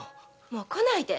もう来ないで。